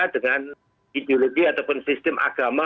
dengan ideologi ataupun sistem agama